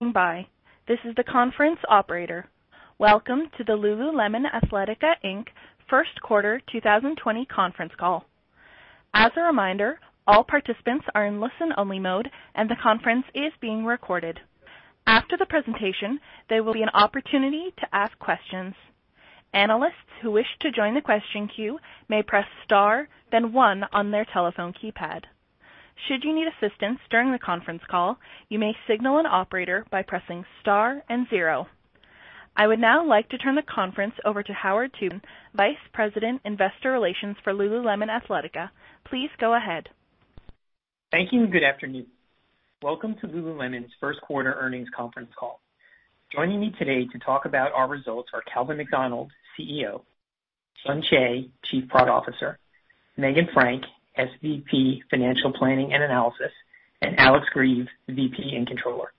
Welcome to the lululemon athletica Inc. First Quarter 2020 Conference Call. As a reminder, all participants are in listen-only mode, and the conference is being recorded. After the presentation, there will be an opportunity to ask questions. Analysts who wish to join the question queue may press star then one on their telephone keypad. Should you need assistance during the conference call, you may signal an operator by pressing star and zero. I would now like to turn the conference over to Howard Tubin, Vice President, Investor Relations for lululemon athletica. Please go ahead. Thank you, and good afternoon. Welcome to lululemon's First Quarter Earnings Conference Call. Joining me today to talk about our results are Calvin McDonald, CEO, Sun Choe, Chief Product Officer, Meghan Frank, SVP, Financial Planning and Analysis, and Alex Grieve, VP and Controller.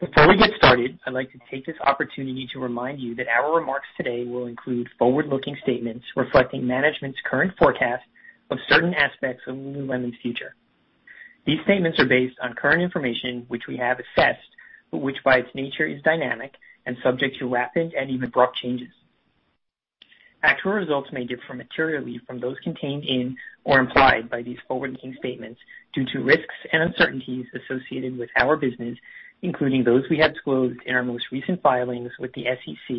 Before we get started, I'd like to take this opportunity to remind you that our remarks today will include forward-looking statements reflecting management's current forecast of certain aspects of lululemon's future. These statements are based on current information which we have assessed, but which by its nature is dynamic and subject to rapid and even abrupt changes. Actual results may differ materially from those contained in or implied by these forward-looking statements due to risks and uncertainties associated with our business, including those we have disclosed in our most recent filings with the SEC,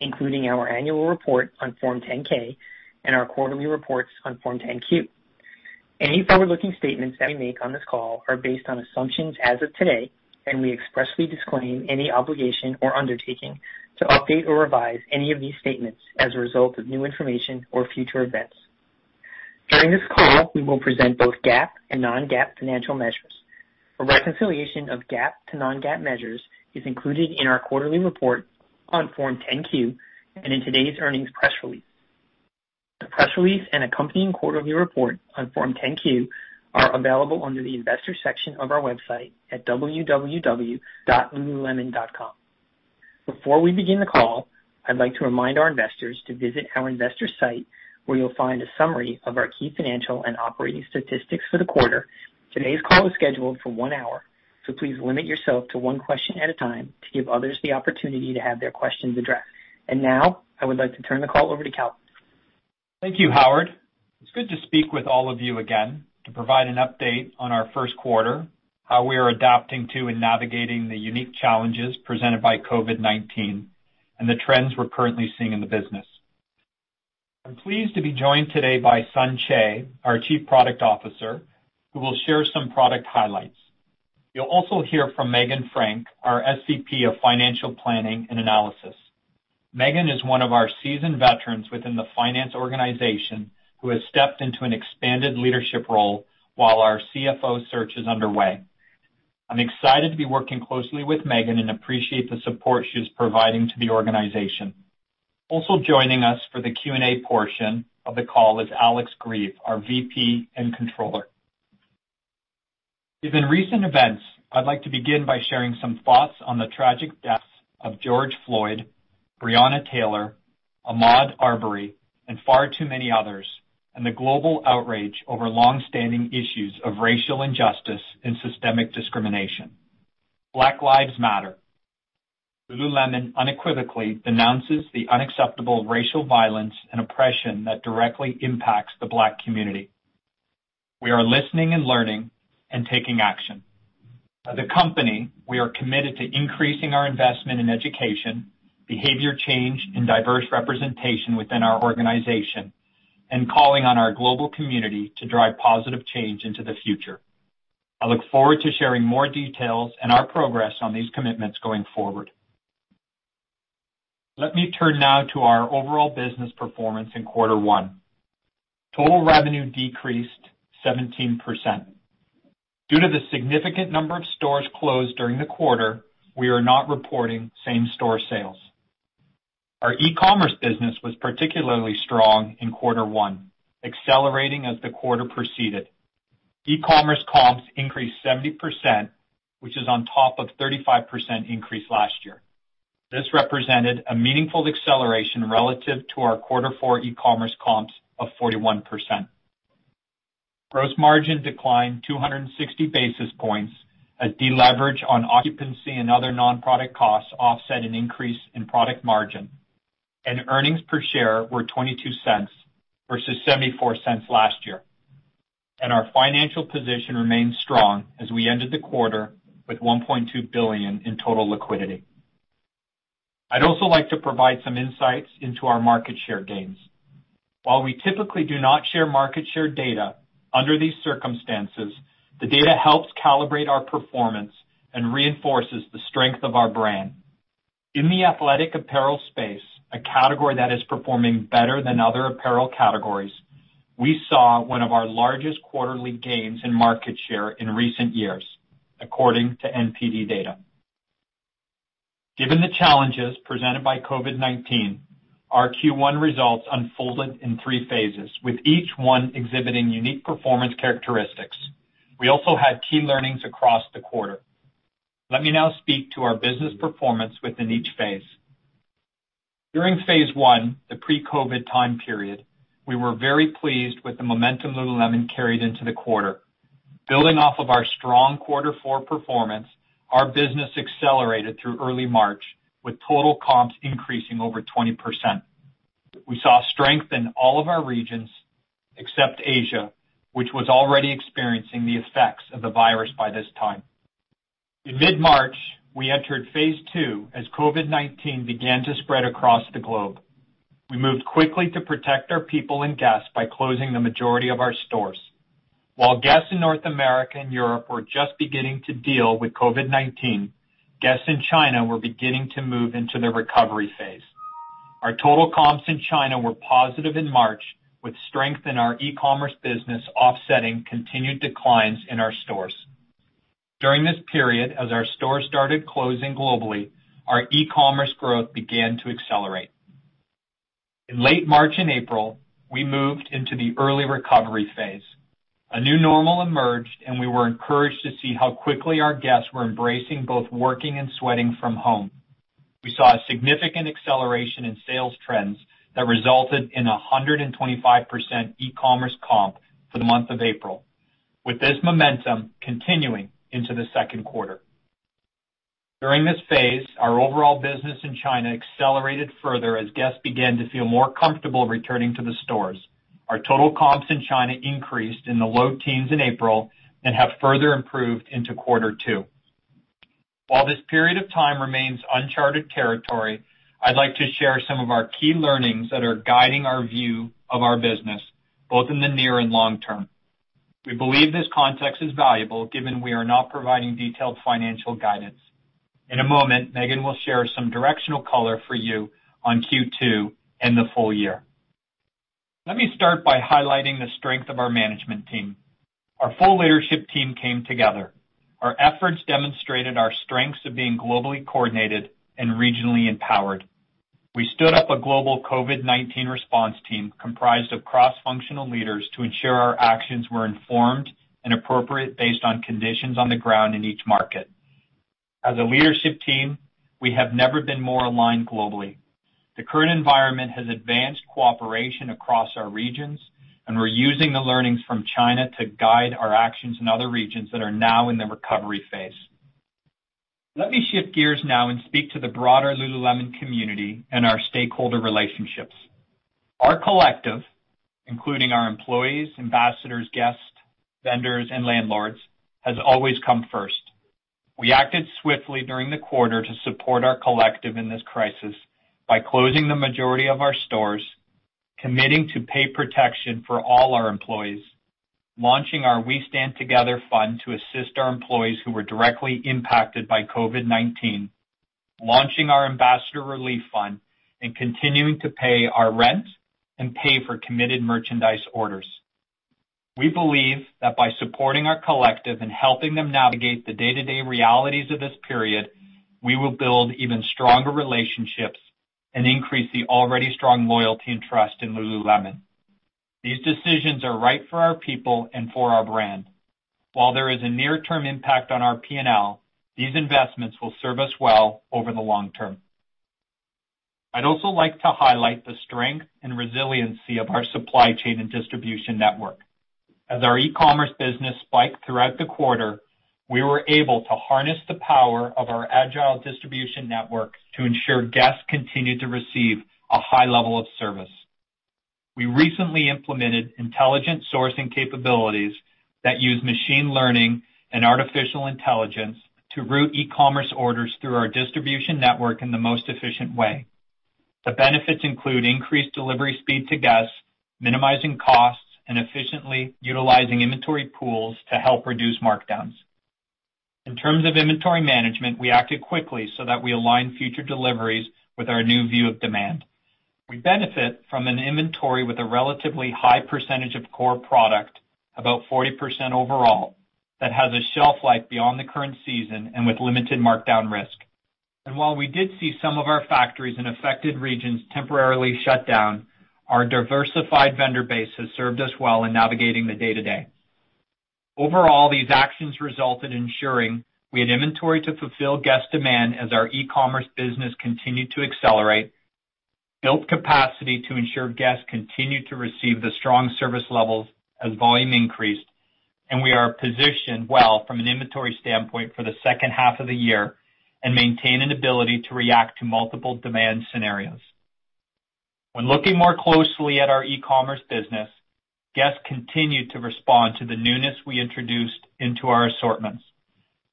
including our annual report on Form 10-K and our quarterly reports on Form 10-Q. Any forward-looking statements that we make on this call are based on assumptions as of today, and we expressly disclaim any obligation or undertaking to update or revise any of these statements as a result of new information or future events. During this call, we will present both GAAP and non-GAAP financial measures. A reconciliation of GAAP to non-GAAP measures is included in our quarterly report on Form 10-Q and in today's earnings press release. The press release and accompanying quarterly report on Form 10-Q are available under the investors section of our website at www.lululemon.com. Before we begin the call, I'd like to remind our investors to visit our investor site, where you'll find a summary of our key financial and operating statistics for the quarter. Today's call is scheduled for one hour, so please limit yourself to one question at a time to give others the opportunity to have their questions addressed. Now, I would like to turn the call over to Calvin. Thank you, Howard. It's good to speak with all of you again to provide an update on our first quarter, how we are adapting to and navigating the unique challenges presented by COVID-19, and the trends we're currently seeing in the business. I'm pleased to be joined today by Sun Choe, our Chief Product Officer, who will share some product highlights. You'll also hear from Meghan Frank, our SVP of Financial Planning and Analysis. Meghan is one of our seasoned veterans within the finance organization who has stepped into an expanded leadership role while our CFO search is underway. I'm excited to be working closely with Meghan and appreciate the support she is providing to the organization. Also joining us for the Q&A portion of the call is Alex Grieve, our VP and Controller. Given recent events, I'd like to begin by sharing some thoughts on the tragic deaths of George Floyd, Breonna Taylor, Ahmaud Arbery, and far too many others, and the global outrage over long-standing issues of racial injustice and systemic discrimination. Black Lives Matter. lululemon unequivocally denounces the unacceptable racial violence and oppression that directly impacts the Black community. We are listening and learning and taking action. As a company, we are committed to increasing our investment in education, behavior change, and diverse representation within our organization and calling on our global community to drive positive change into the future. I look forward to sharing more details and our progress on these commitments going forward. Let me turn now to our overall business performance in quarter one. Total revenue decreased 17%. Due to the significant number of stores closed during the quarter, we are not reporting same-store sales. Our e-commerce business was particularly strong in quarter one, accelerating as the quarter proceeded. E-commerce comps increased 70%, which is on top of 35% increase last year. This represented a meaningful acceleration relative to our quarter four e-commerce comps of 41%. Gross margin declined 260 basis points as deleverage on occupancy and other non-product costs offset an increase in product margin. Earnings per share were $0.22 versus $0.74 last year. Our financial position remains strong as we ended the quarter with $1.2 billion in total liquidity. I'd also like to provide some insights into our market share gains. While we typically do not share market share data, under these circumstances, the data helps calibrate our performance and reinforces the strength of our brand. In the athletic apparel space, a category that is performing better than other apparel categories, we saw one of our largest quarterly gains in market share in recent years, according to NPD data. Given the challenges presented by COVID-19, our Q1 results unfolded in three phases, with each one exhibiting unique performance characteristics. We also had key learnings across the quarter. Let me now speak to our business performance within each phase. During phase 1, the pre-COVID time period, we were very pleased with the momentum lululemon carried into the quarter. Building off of our strong quarter four performance, our business accelerated through early March, with total comps increasing over 20%. We saw strength in all of our regions, except Asia, which was already experiencing the effects of the virus by this time. In mid-March, we entered phase 2, as COVID-19 began to spread across the globe. We moved quickly to protect our people and guests by closing the majority of our stores. While guests in North America and Europe were just beginning to deal with COVID-19, guests in China were beginning to move into the recovery phase. Our total comps in China were positive in March, with strength in our e-commerce business offsetting continued declines in our stores. During this period, as our stores started closing globally, our e-commerce growth began to accelerate. In late March and April, we moved into the early recovery phase. A new normal emerged, and we were encouraged to see how quickly our guests were embracing both working and sweating from home. We saw a significant acceleration in sales trends that resulted in 125% e-commerce comp for the month of April, with this momentum continuing into the second quarter. During this phase, our overall business in China accelerated further as guests began to feel more comfortable returning to the stores. Our total comps in China increased in the low teens in April and have further improved into quarter two. While this period of time remains uncharted territory, I'd like to share some of our key learnings that are guiding our view of our business, both in the near and long term. We believe this context is valuable, given we are not providing detailed financial guidance. In a moment, Meghan will share some directional color for you on Q2 and the full year. Let me start by highlighting the strength of our management team. Our full leadership team came together. Our efforts demonstrated our strengths of being globally coordinated and regionally empowered. We stood up a global COVID-19 response team comprised of cross-functional leaders to ensure our actions were informed and appropriate, based on conditions on the ground in each market. As a leadership team, we have never been more aligned globally. The current environment has advanced cooperation across our regions, and we're using the learnings from China to guide our actions in other regions that are now in the recovery phase. Let me shift gears now and speak to the broader lululemon community and our stakeholder relationships. Our collective, including our employees, ambassadors, guests, vendors, and landlords, has always come first. We acted swiftly during the quarter to support our collective in this crisis by closing the majority of our stores, committing to pay protection for all our employees, launching our We Stand Together Fund to assist our employees who were directly impacted by COVID-19, launching our Ambassador Relief Fund, and continuing to pay our rent and pay for committed merchandise orders. We believe that by supporting our collective and helping them navigate the day-to-day realities of this period, we will build even stronger relationships and increase the already strong loyalty and trust in lululemon. These decisions are right for our people and for our brand. While there is a near-term impact on our P&L, these investments will serve us well over the long term. I'd also like to highlight the strength and resiliency of our supply chain and distribution network. As our e-commerce business spiked throughout the quarter, we were able to harness the power of our agile distribution network to ensure guests continued to receive a high level of service. We recently implemented intelligent sourcing capabilities that use machine learning and artificial intelligence to route e-commerce orders through our distribution network in the most efficient way. The benefits include increased delivery speed to guests, minimizing costs, and efficiently utilizing inventory pools to help reduce markdowns. In terms of inventory management, we acted quickly so that we align future deliveries with our new view of demand. We benefit from an inventory with a relatively high percentage of core product, about 40% overall, that has a shelf life beyond the current season and with limited markdown risk. While we did see some of our factories in affected regions temporarily shut down, our diversified vendor base has served us well in navigating the day-to-day. Overall, these actions resulted in ensuring we had inventory to fulfill guest demand as our e-commerce business continued to accelerate, built capacity to ensure guests continued to receive the strong service levels as volume increased, and we are positioned well from an inventory standpoint for the second half of the year and maintain an ability to react to multiple demand scenarios. When looking more closely at our e-commerce business, guests continued to respond to the newness we introduced into our assortments.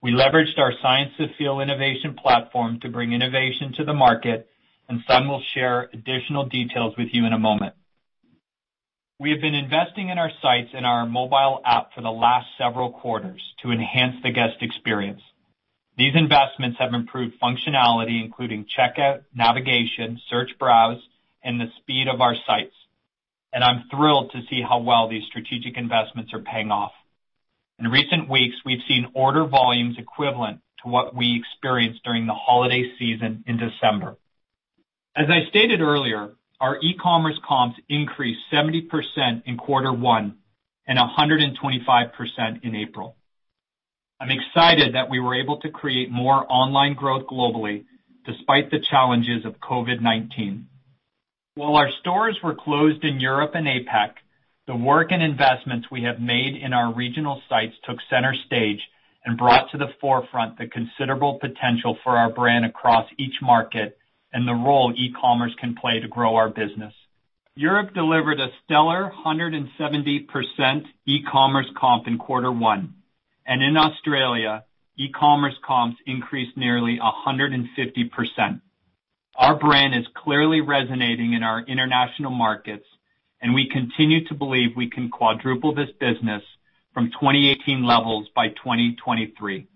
We leveraged our Science of Feel innovation platform to bring innovation to the market, and Sun will share additional details with you in a moment. We have been investing in our sites and our mobile app for the last several quarters to enhance the guest experience. These investments have improved functionality, including checkout, navigation, search, browse, and the speed of our sites. I'm thrilled to see how well these strategic investments are paying off. In recent weeks, we've seen order volumes equivalent to what we experienced during the holiday season in December. As I stated earlier, our e-commerce comps increased 70% in quarter one and 125% in April. I'm excited that we were able to create more online growth globally despite the challenges of COVID-19. While our stores were closed in Europe and APAC, the work and investments we have made in our regional sites took center stage and brought to the forefront the considerable potential for our brand across each market and the role e-commerce can play to grow our business. Europe delivered a stellar 170% e-commerce comp in quarter one, and in Australia, e-commerce comps increased nearly 150%. Our brand is clearly resonating in our international markets, and we continue to believe we can quadruple this business from 2018 levels by 2023.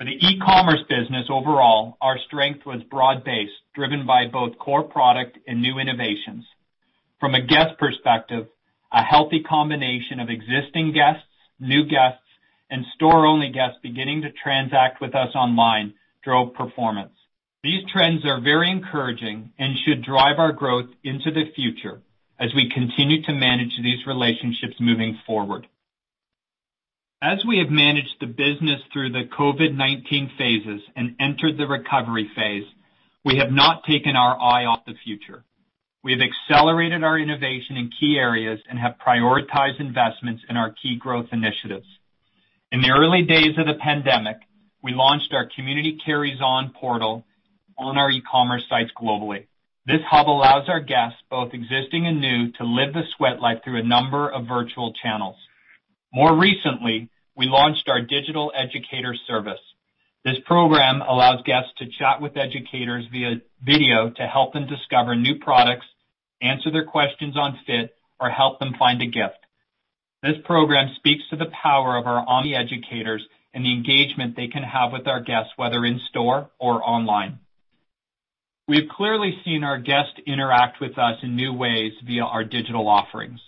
For the e-commerce business overall, our strength was broad-based, driven by both core product and new innovations. From a guest perspective, a healthy combination of existing guests, new guests, and store-only guests beginning to transact with us online drove performance. These trends are very encouraging and should drive our growth into the future as we continue to manage these relationships moving forward. As we have managed the business through the COVID-19 phases and entered the recovery phase, we have not taken our eye off the future. We have accelerated our innovation in key areas and have prioritized investments in our key growth initiatives. In the early days of the pandemic, we launched our Community Carries On portal on our e-commerce sites globally. This hub allows our guests, both existing and new, to live the sweat life through a number of virtual channels. More recently, we launched our digital educator service. This program allows guests to chat with educators via video to help them discover new products, answer their questions on fit, or help them find a gift. This program speaks to the power of our omni-educators and the engagement they can have with our guests, whether in-store or online. We have clearly seen our guests interact with us in new ways via our digital offerings.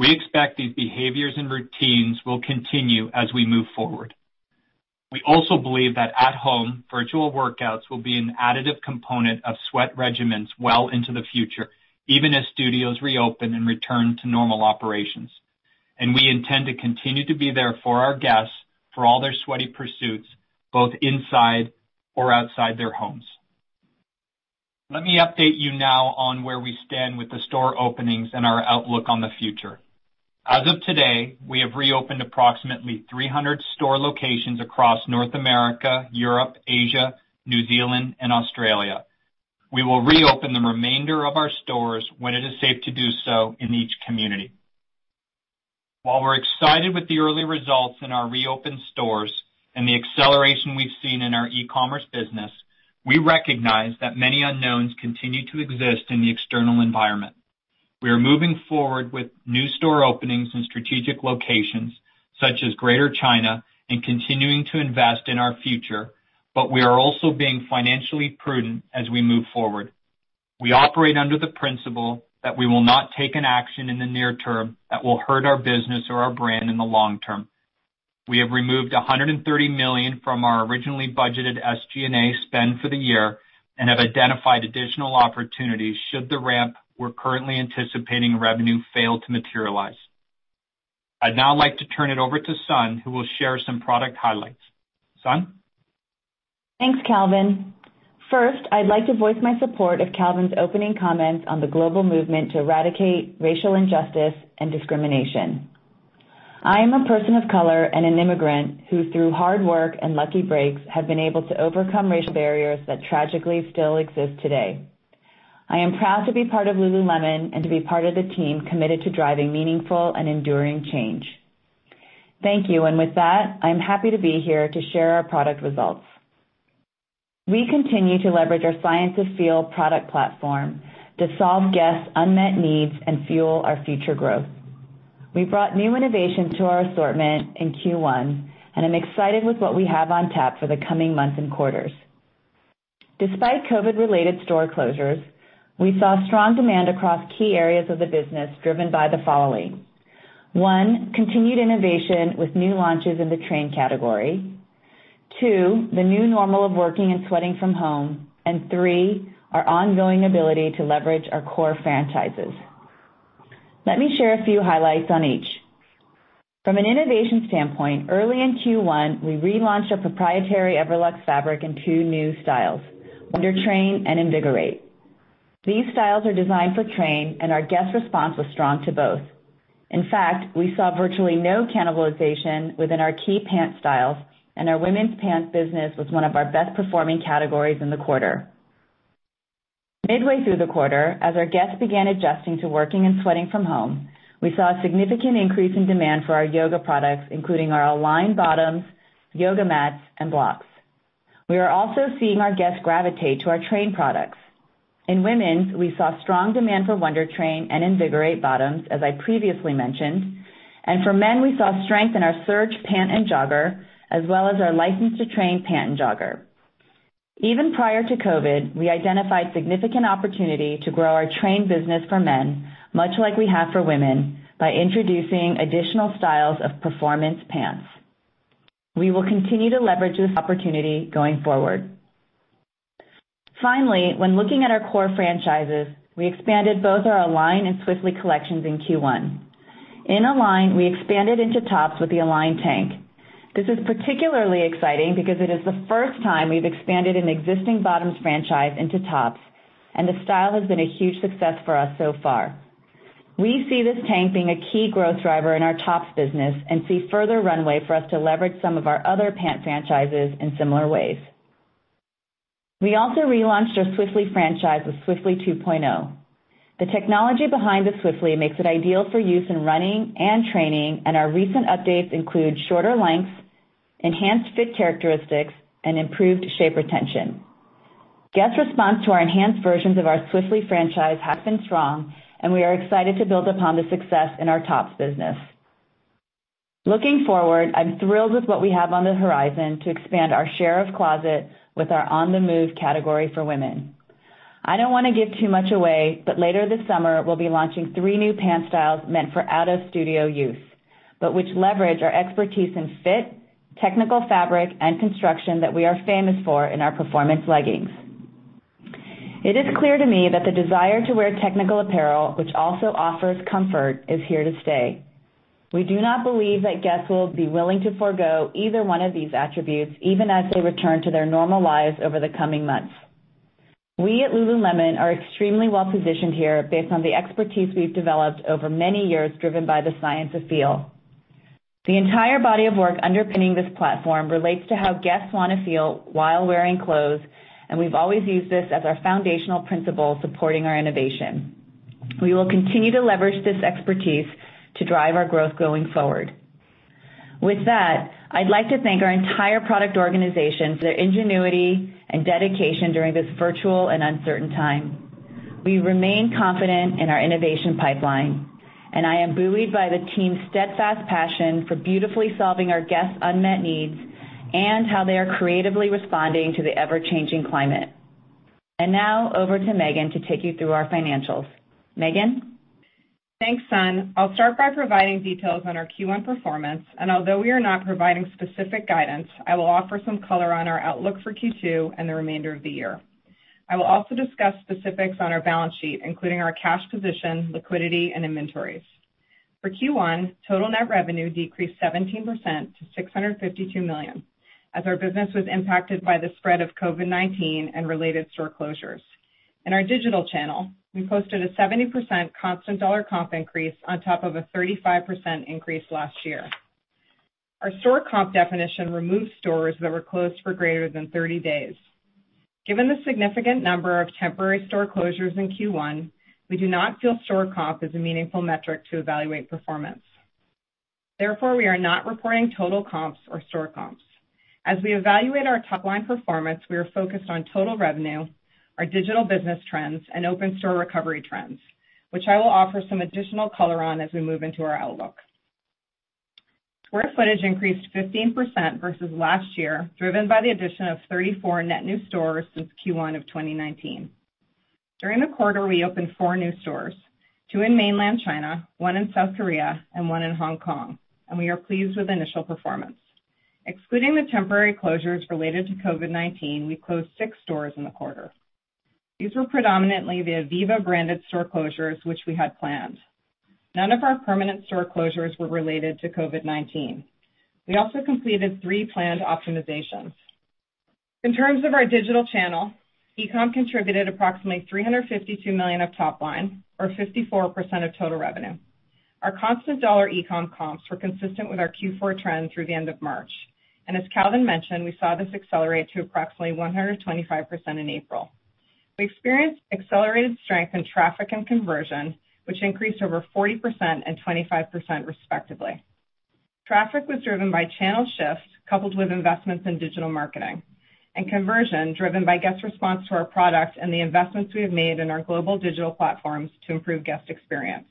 We expect these behaviors and routines will continue as we move forward. We also believe that at home, virtual workouts will be an additive component of sweat regimens well into the future, even as studios reopen and return to normal operations. We intend to continue to be there for our guests for all their sweaty pursuits, both inside or outside their homes. Let me update you now on where we stand with the store openings and our outlook on the future. As of today, we have reopened approximately 300 store locations across North America, Europe, Asia, New Zealand, and Australia. We will reopen the remainder of our stores when it is safe to do so in each community. While we're excited with the early results in our reopened stores and the acceleration we've seen in our e-commerce business, we recognize that many unknowns continue to exist in the external environment. We are moving forward with new store openings in strategic locations such as Greater China and continuing to invest in our future. We are also being financially prudent as we move forward. We operate under the principle that we will not take an action in the near term that will hurt our business or our brand in the long term. We have removed $130 million from our originally budgeted SG&A spend for the year and have identified additional opportunities should the revenue ramp we're currently anticipating fail to materialize. I'd now like to turn it over to Sun, who will share some product highlights. Sun? Thanks, Calvin. First, I'd like to voice my support of Calvin's opening comments on the global movement to eradicate racial injustice and discrimination. I am a person of color and an immigrant who, through hard work and lucky breaks, have been able to overcome racial barriers that tragically still exist today. I am proud to be part of lululemon and to be part of the team committed to driving meaningful and enduring change. Thank you. With that, I'm happy to be here to share our product results. We continue to leverage our Science of Feel product platform to solve guests' unmet needs and fuel our future growth. We brought new innovations to our assortment in Q1, and I'm excited with what we have on tap for the coming months and quarters. Despite COVID-related store closures, we saw strong demand across key areas of the business, driven by the following. One, continued innovation with new launches in the train category. Two, the new normal of working and sweating from home, and three, our ongoing ability to leverage our core franchises. Let me share a few highlights on each. From an innovation standpoint, early in Q1, we relaunched our proprietary Everlux fabric in two new styles, Wunder Train and Invigorate. These styles are designed for train, and our guest response was strong to both. In fact, we saw virtually no cannibalization within our key pant styles, and our women's pants business was one of our best-performing categories in the quarter. Midway through the quarter, as our guests began adjusting to working and sweating from home, we saw a significant increase in demand for our yoga products, including our Align bottoms, yoga mats, and blocks. We are also seeing our guests gravitate to our train products. In women's, we saw strong demand for Wunder Train and Invigorate bottoms, as I previously mentioned. For men, we saw strength in our Surge pant and jogger, as well as our License to Train pant and jogger. Even prior to COVID, we identified significant opportunity to grow our train business for men, much like we have for women, by introducing additional styles of performance pants. We will continue to leverage this opportunity going forward. Finally, when looking at our core franchises, we expanded both our Align and Swiftly collections in Q1. In Align, we expanded into tops with the Align Tank. This is particularly exciting because it is the first time we've expanded an existing bottoms franchise into tops, and the style has been a huge success for us so far. We see this tank being a key growth driver in our tops business and see further runway for us to leverage some of our other pant franchises in similar ways. We also relaunched our Swiftly franchise with Swiftly 2.0. The technology behind the Swiftly makes it ideal for use in running and training, and our recent updates include shorter lengths, enhanced fit characteristics, and improved shape retention. Guest response to our enhanced versions of our Swiftly franchise has been strong, and we are excited to build upon the success in our tops business. Looking forward, I'm thrilled with what we have on the horizon to expand our share of closet with our on-the-move category for women. I don't want to give too much away, but later this summer, we'll be launching three new pant styles meant for out-of-studio use, but which leverage our expertise in fit, technical fabric, and construction that we are famous for in our performance leggings. It is clear to me that the desire to wear technical apparel, which also offers comfort, is here to stay. We do not believe that guests will be willing to forgo either one of these attributes, even as they return to their normal lives over the coming months. We at lululemon are extremely well-positioned here based on the expertise we've developed over many years, driven by the Science of Feel. The entire body of work underpinning this platform relates to how guests want to feel while wearing clothes, and we've always used this as our foundational principle supporting our innovation. We will continue to leverage this expertise to drive our growth going forward. With that, I'd like to thank our entire product organization for their ingenuity and dedication during this virtual and uncertain time. We remain confident in our innovation pipeline, and I am buoyed by the team's steadfast passion for beautifully solving our guests' unmet needs and how they are creatively responding to the ever-changing climate. Now over to Meghan to take you through our financials. Meghan? Thanks, Sun. I'll start by providing details on our Q1 performance, although we are not providing specific guidance, I will offer some color on our outlook for Q2 and the remainder of the year. I will also discuss specifics on our balance sheet, including our cash position, liquidity, and inventories. For Q1, total net revenue decreased 17% to $652 million, as our business was impacted by the spread of COVID-19 and related store closures. In our digital channel, we posted a 70% constant dollar comp increase on top of a 35% increase last year. Our store comp definition removed stores that were closed for greater than 30 days. Given the significant number of temporary store closures in Q1, we do not feel store comp is a meaningful metric to evaluate performance. We are not reporting total comps or store comps. As we evaluate our top-line performance, we are focused on total revenue, our digital business trends, and open store recovery trends, which I will offer some additional color on as we move into our outlook. Square footage increased 15% versus last year, driven by the addition of 34 net new stores since Q1 of 2019. During the quarter, we opened four new stores, two in mainland China, one in South Korea, and one in Hong Kong, and we are pleased with initial performance. Excluding the temporary closures related to COVID-19, we closed six stores in the quarter. These were predominantly the Ivivva-branded store closures, which we had planned. None of our permanent store closures were related to COVID-19. We also completed three planned optimizations. In terms of our digital channel, e-com contributed approximately $352 million of top line, or 54% of total revenue. Our constant dollar e-com comps were consistent with our Q4 trends through the end of March. As Calvin mentioned, we saw this accelerate to approximately 125% in April. We experienced accelerated strength in traffic and conversion, which increased over 40% and 25% respectively. Traffic was driven by channel shifts coupled with investments in digital marketing, and conversion driven by guest response to our product and the investments we have made in our global digital platforms to improve guest experience.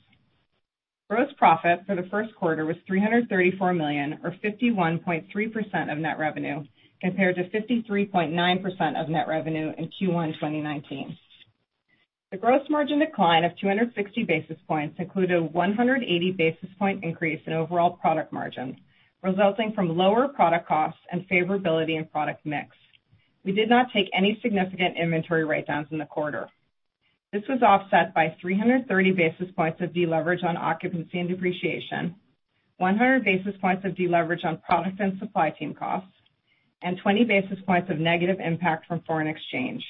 Gross profit for the first quarter was $334 million, or 51.3% of net revenue, compared to 53.9% of net revenue in Q1 2019. The gross margin decline of 260 basis points included a 180 basis point increase in overall product margins, resulting from lower product costs and favorability in product mix. We did not take any significant inventory write-downs in the quarter. This was offset by 330 basis points of deleverage on occupancy and depreciation, 100 basis points of deleverage on product and costs, and 20 basis points of negative impact from foreign exchange.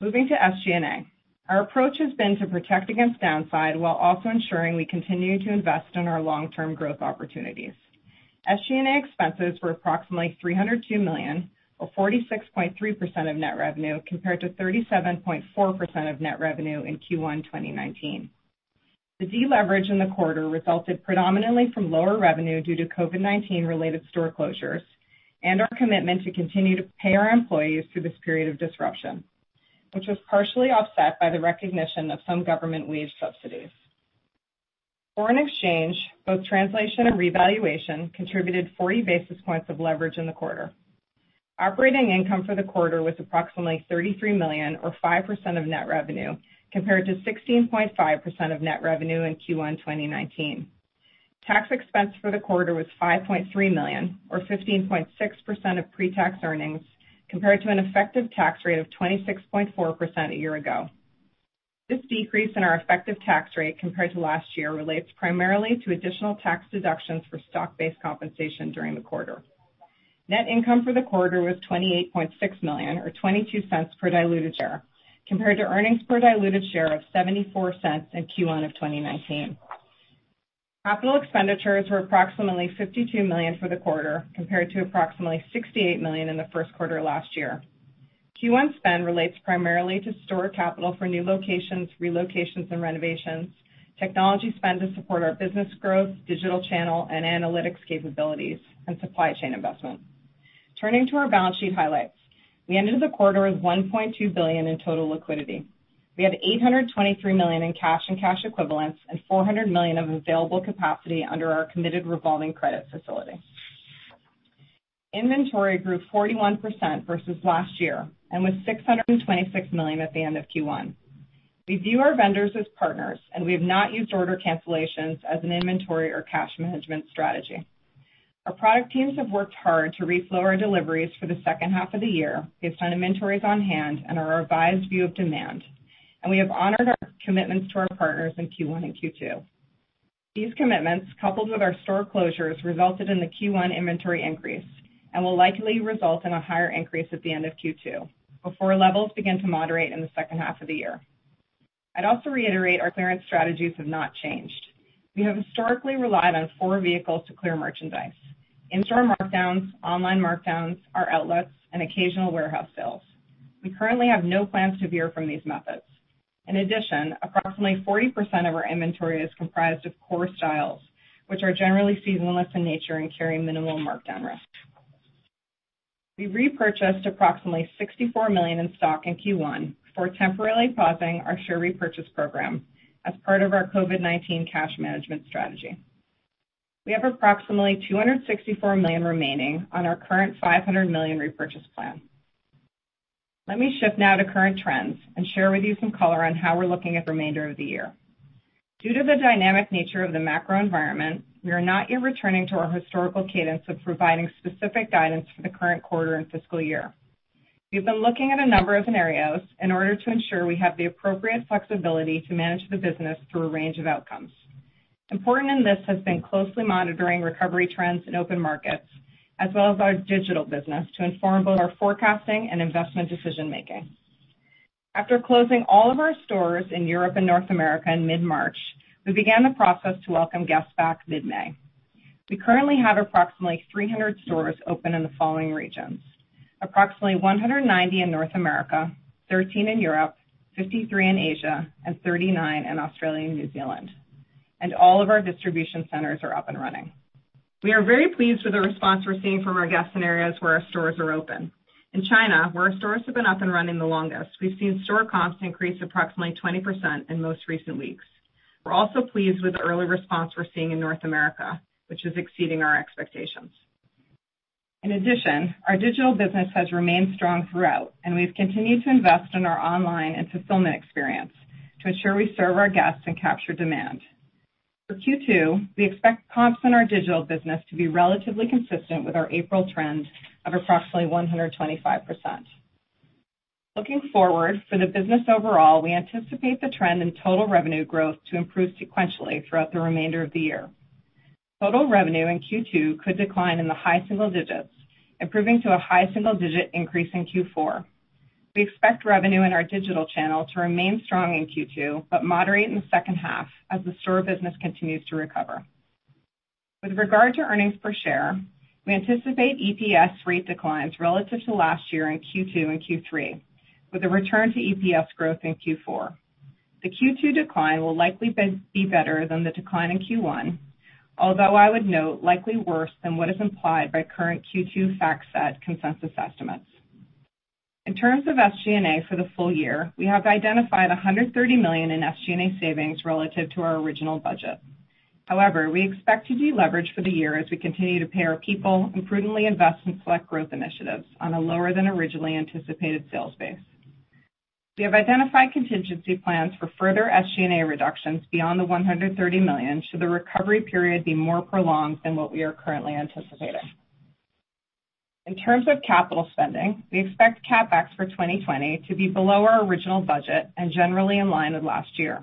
Moving to SG&A. Our approach has been to protect against downside while also ensuring we continue to invest in our long-term growth opportunities. SG&A expenses were approximately $302 million, or 46.3% of net revenue, compared to 37.4% of net revenue in Q1 2019. The deleverage in the quarter resulted predominantly from lower revenue due to COVID-19 related store closures and our commitment to continue to pay our employees through this period of disruption, which was partially offset by the recognition of some government wage subsidies. Foreign exchange, both translation and revaluation, contributed 40 basis points of leverage in the quarter. Operating income for the quarter was approximately $33 million, or 5% of net revenue, compared to 16.5% of net revenue in Q1 2019. Tax expense for the quarter was $5.3 million, or 15.6% of pre-tax earnings, compared to an effective tax rate of 26.4% a year ago. This decrease in our effective tax rate compared to last year relates primarily to additional tax deductions for stock-based compensation during the quarter. Net income for the quarter was $28.6 million or $0.22 per diluted share, compared to earnings per diluted share of $0.74 in Q1 of 2019. Capital expenditures were approximately $52 million for the quarter, compared to approximately $68 million in the first quarter last year. Q1 spend relates primarily to store capital for new locations, relocations and renovations, technology spend to support our business growth, digital channel and analytics capabilities, and supply chain investment. Turning to our balance sheet highlights. We ended the quarter with $1.2 billion in total liquidity. We had $823 million in cash and cash equivalents and $400 million of available capacity under our committed revolving credit facility. Inventory grew 41% versus last year and was $626 million at the end of Q1. We view our vendors as partners, and we have not used order cancellations as an inventory or cash management strategy. Our product teams have worked hard to reflow our deliveries for the second half of the year based on inventories on hand and our revised view of demand, and we have honored our commitments to our partners in Q1 and Q2. These commitments, coupled with our store closures, resulted in the Q1 inventory increase and will likely result in a higher increase at the end of Q2 before levels begin to moderate in the second half of the year. I'd also reiterate our clearance strategies have not changed. We have historically relied on four vehicles to clear merchandise: in-store markdowns, online markdowns, our outlets, and occasional warehouse sales. We currently have no plans to veer from these methods. In addition, approximately 40% of our inventory is comprised of core styles, which are generally seasonless in nature and carry minimal markdown risk. We repurchased approximately $64 million in stock in Q1 before temporarily pausing our share repurchase program as part of our COVID-19 cash management strategy. We have approximately $264 million remaining on our current $500 million repurchase plan. Let me shift now to current trends and share with you some color on how we're looking at the remainder of the year. Due to the dynamic nature of the macro environment, we are not yet returning to our historical cadence of providing specific guidance for the current quarter and fiscal year. We've been looking at a number of scenarios in order to ensure we have the appropriate flexibility to manage the business through a range of outcomes. Important in this has been closely monitoring recovery trends in open markets as well as our digital business to inform both our forecasting and investment decision-making. After closing all of our stores in Europe and North America in mid-March, we began the process to welcome guests back mid-May. We currently have approximately 300 stores open in the following regions. Approximately 190 in North America, 13 in Europe, 53 in Asia, and 39 in Australia and New Zealand. All of our distribution centers are up and running. We are very pleased with the response we're seeing from our guests in areas where our stores are open. In China, where our stores have been up and running the longest, we've seen store comps increase approximately 20% in most recent weeks. We're also pleased with the early response we're seeing in North America, which is exceeding our expectations. In addition, our digital business has remained strong throughout, we've continued to invest in our online and fulfillment experience to ensure we serve our guests and capture demand. For Q2, we expect comps in our digital business to be relatively consistent with our April trend of approximately 125%. Looking forward, for the business overall, we anticipate the trend in total revenue growth to improve sequentially throughout the remainder of the year. Total revenue in Q2 could decline in the high single digits, improving to a high single-digit increase in Q4. We expect revenue in our digital channel to remain strong in Q2, but moderate in the second half as the store business continues to recover. With regard to earnings per share, we anticipate EPS rate declines relative to last year in Q2 and Q3, with a return to EPS growth in Q4. The Q2 decline will likely be better than the decline in Q1, although I would note, likely worse than what is implied by current Q2 FactSet consensus estimates. In terms of SG&A for the full year, we have identified $130 million in SG&A savings relative to our original budget. However, we expect to deleverage for the year as we continue to pay our people and prudently invest in select growth initiatives on a lower than originally anticipated sales base. We have identified contingency plans for further SG&A reductions beyond the $130 million should the recovery period be more prolonged than what we are currently anticipating. In terms of capital spending, we expect CapEx for 2020 to be below our original budget and generally in line with last year.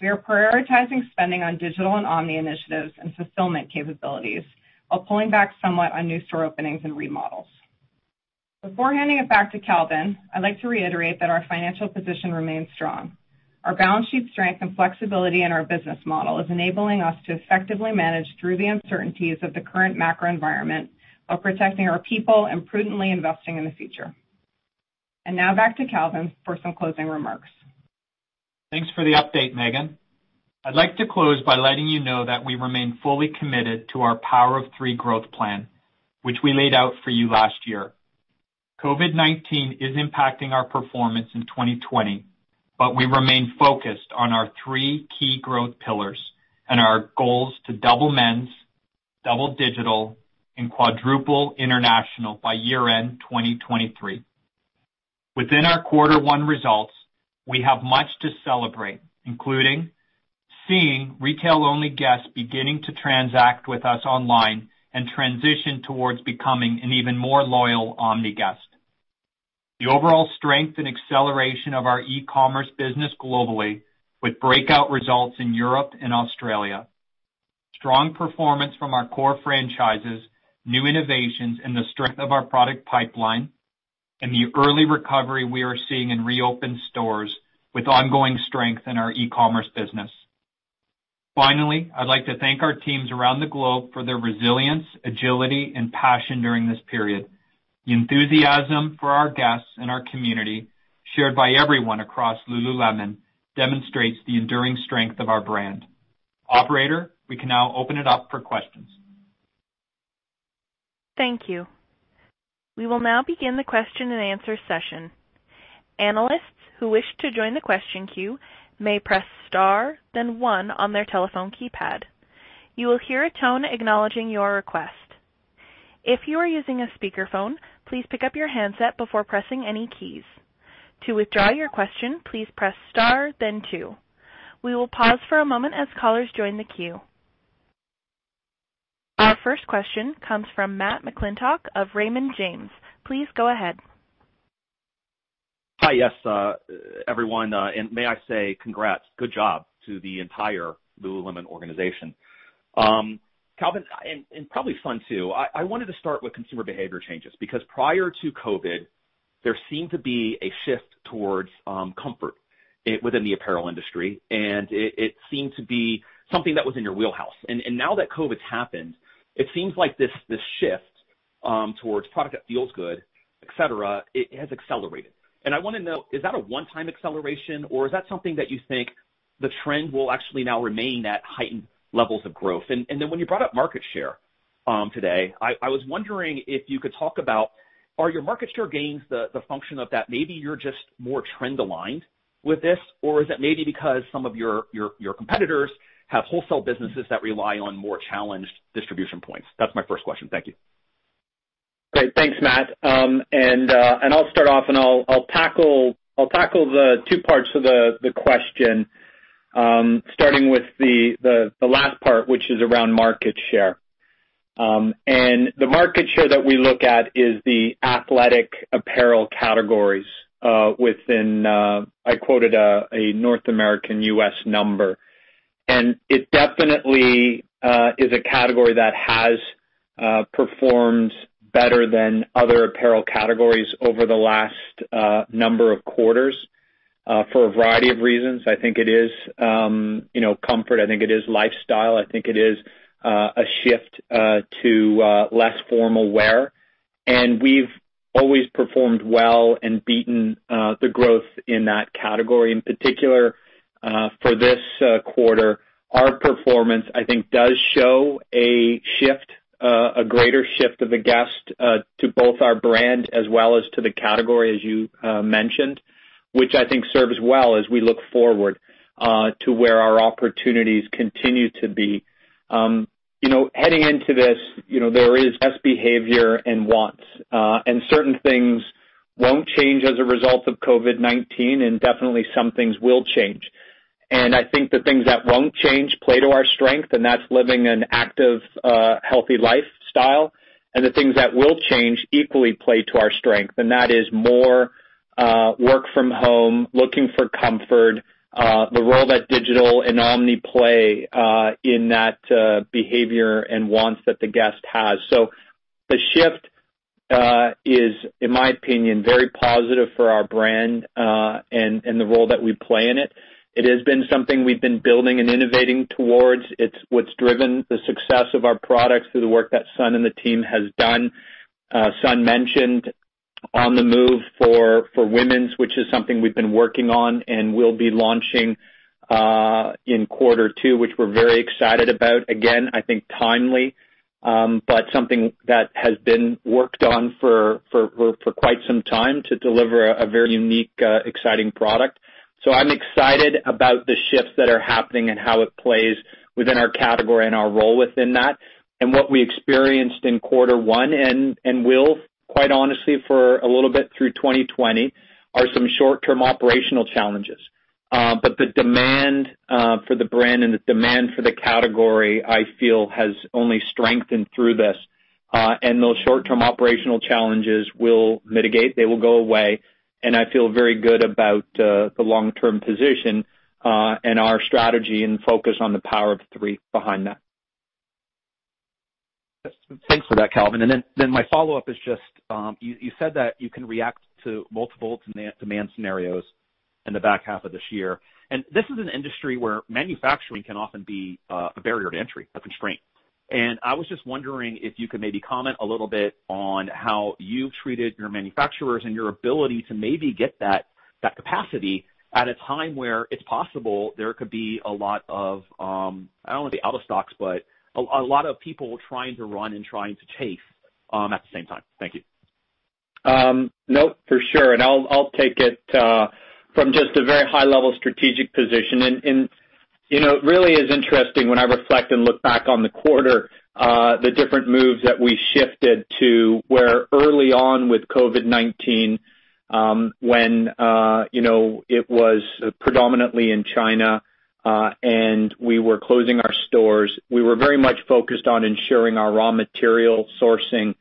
We are prioritizing spending on digital and omni initiatives and fulfillment capabilities while pulling back somewhat on new store openings and remodels. Before handing it back to Calvin, I'd like to reiterate that our financial position remains strong. Our balance sheet strength and flexibility in our business model is enabling us to effectively manage through the uncertainties of the current macro environment while protecting our people and prudently investing in the future. Now back to Calvin for some closing remarks. Thanks for the update, Meghan. I'd like to close by letting you know that we remain fully committed to our Power of Three growth plan, which we laid out for you last year. COVID-19 is impacting our performance in 2020, but we remain focused on our three key growth pillars and our goals to double men's, double digital, and quadruple international by year-end 2023. Within our quarter one results, we have much to celebrate, including seeing retail-only guests beginning to transact with us online and transition towards becoming an even more loyal omni guest. The overall strength and acceleration of our e-commerce business globally with breakout results in Europe and Australia, strong performance from our core franchises, new innovations in the strength of our product pipeline, and the early recovery we are seeing in reopened stores with ongoing strength in our e-commerce business. Finally, I'd like to thank our teams around the globe for their resilience, agility, and passion during this period. The enthusiasm for our guests and our community, shared by everyone across lululemon, demonstrates the enduring strength of our brand. Operator, we can now open it up for questions. Thank you. We will now begin the question-and-answer session. Analysts who wish to join the question queue may press star then one on their telephone keypad. You will hear a tone acknowledging your request. If you are using a speakerphone, please pick up your handset before pressing any keys. To withdraw your question, please press star then two. We will pause for a moment as callers join the queue. Our first question comes from Matt McClintock of Raymond James. Please go ahead. Hi. Yes, everyone, and may I say congrats. Good job to the entire lululemon organization. Calvin, and probably Sun too, I wanted to start with consumer behavior changes, because prior to COVID, there seemed to be a shift towards comfort within the apparel industry, and it seemed to be something that was in your wheelhouse. Now that COVID's happened, it seems like this shift towards product that feels good, et cetera, it has accelerated. I want to know, is that a one-time acceleration, or is that something that you think the trend will actually now remain at heightened levels of growth? When you brought up market share today, I was wondering if you could talk about, are your market share gains the function of that maybe you're just more trend aligned with this, or is it maybe because some of your competitors have wholesale businesses that rely on more challenged distribution points? That's my first question. Thank you. Great. Thanks, Matt. I'll start off and I'll tackle the two parts of the question, starting with the last part, which is around market share. The market share that we look at is the athletic apparel categories within, I quoted a North American U.S. number. It definitely is a category that has performed better than other apparel categories over the last number of quarters for a variety of reasons. I think it is comfort, I think it is lifestyle, I think it is a shift to less formal wear. We've always performed well and beaten the growth in that category. In particular, for this quarter, our performance, I think, does show a greater shift of the guest to both our brand as well as to the category, as you mentioned, which I think serves well as we look forward to where our opportunities continue to be. Heading into this, there is best behavior and wants. Certain things won't change as a result of COVID-19, and definitely some things will change. I think the things that won't change play to our strength, and that's living an active, healthy lifestyle. The things that will change equally play to our strength, and that is more work from home, looking for comfort, the role that digital and omni play in that behavior and wants that the guest has. The shift is, in my opinion, very positive for our brand and the role that we play in it. It has been something we've been building and innovating towards. It's what's driven the success of our products through the work that Sun and the team has done. Sun mentioned on the move for women's, which is something we've been working on and will be launching in quarter two, which we're very excited about, again, I think timely. Something that has been worked on for quite some time to deliver a very unique, exciting product. I'm excited about the shifts that are happening and how it plays within our category and our role within that. What we experienced in quarter one and will, quite honestly, for a little bit through 2020, are some short-term operational challenges. The demand for the brand and the demand for the category, I feel, has only strengthened through this. Those short-term operational challenges will mitigate, they will go away, and I feel very good about the long-term position and our strategy and focus on the Power of Three behind that. Thanks for that, Calvin. My follow-up is just, you said that you can react to multiple demand scenarios in the back half of this year. This is an industry where manufacturing can often be a barrier to entry, a constraint. I was just wondering if you could maybe comment a little bit on how you've treated your manufacturers and your ability to maybe get that capacity at a time where it's possible there could be a lot of, I don't want to say out of stocks, but a lot of people trying to run and trying to chase at the same time? Thank you. Nope. For sure. I'll take it from just a very high-level strategic position. It really is interesting when I reflect and look back on the quarter, the different moves that we shifted to, where early on with COVID-19, when it was predominantly in China, and we were closing our stores. We were very much focused on ensuring our raw material sourcing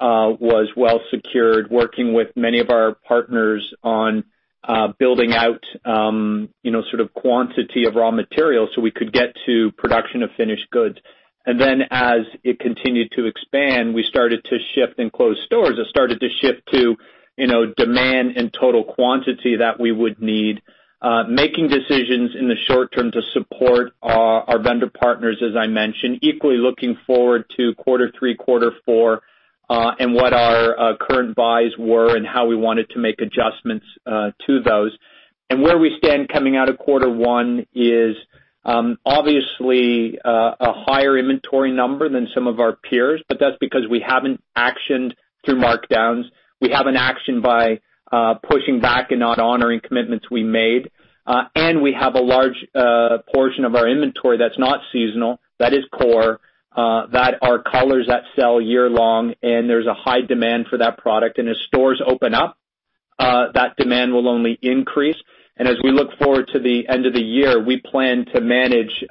was well secured, working with many of our partners on building out sort of quantity of raw materials so we could get to production of finished goods. Then as it continued to expand, we started to shift and close stores. It started to shift to demand and total quantity that we would need, making decisions in the short term to support our vendor partners, as I mentioned, equally looking forward to quarter three, quarter four and what our current buys were and how we wanted to make adjustments to those. Where we stand coming out of quarter one is obviously a higher inventory number than some of our peers, but that's because we haven't actioned through markdowns. We haven't actioned by pushing back and not honoring commitments we made. We have a large portion of our inventory that's not seasonal. That is core, that are colors that sell year long, and there's a high demand for that product. As stores open up, that demand will only increase. As we look forward to the end of the year, we plan to manage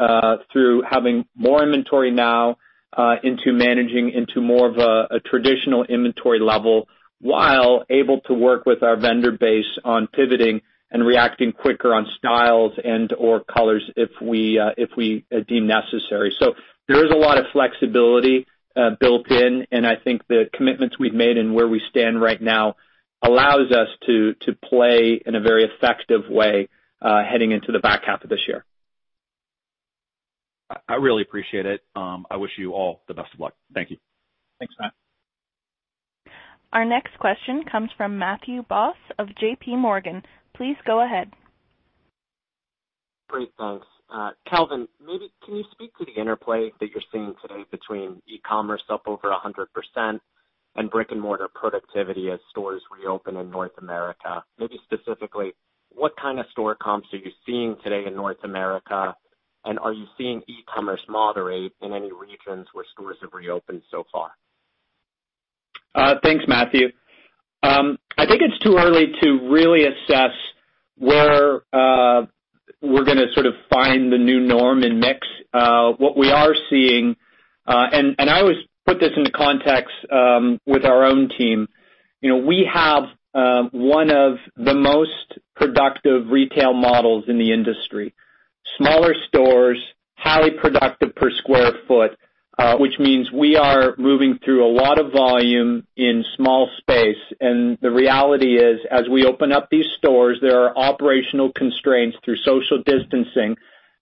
through having more inventory now into managing into more of a traditional inventory level, while able to work with our vendor base on pivoting and reacting quicker on styles and, or colors if we deem necessary. There is a lot of flexibility built in, and I think the commitments we've made and where we stand right now allows us to play in a very effective way heading into the back half of this year. I really appreciate it. I wish you all the best of luck. Thank you. Thanks, Matt. Our next question comes from Matthew Boss of JPMorgan. Please go ahead. Great. Thanks. Calvin, can you speak to the interplay that you're seeing today between e-commerce up over 100% and brick-and-mortar productivity as stores reopen in North America? Specifically, what kind of store comps are you seeing today in North America, and are you seeing e-commerce moderate in any regions where stores have reopened so far? Thanks, Matthew. I think it's too early to really assess where we're going to sort of find the new norm in mix. What we are seeing, I always put this into context with our own team. We have one of the most productive retail models in the industry. Smaller stores, highly productive per square foot, which means we are moving through a lot of volume in small space. The reality is, as we open up these stores, there are operational constraints through social distancing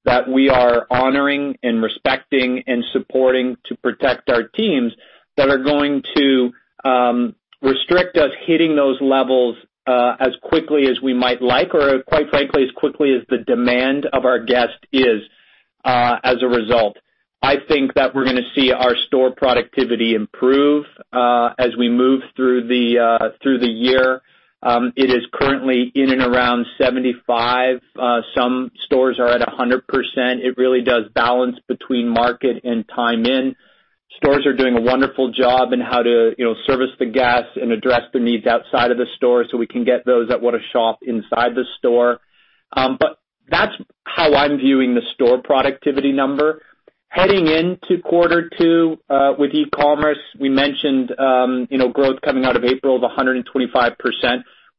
that we are honoring and respecting and supporting to protect our teams that are going to restrict us hitting those levels as quickly as we might like or quite frankly, as quickly as the demand of our guest is, as a result. I think that we're going to see our store productivity improve as we move through the year. It is currently in and around 75%. Some stores are at 100%. It really does balance between market and time in. Stores are doing a wonderful job in how to service the guests and address the needs outside of the store so we can get those that want to shop inside the store. That's how I'm viewing the store productivity number. Heading into quarter two with e-commerce, we mentioned growth coming out of April of 125%.